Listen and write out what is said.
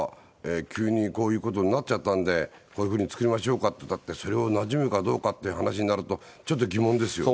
急にこういうことになっちゃったんで、こういうふうに作りましょうかっていったって、それがなじむかどうかっていう話になると、ちょっと疑問ですよね。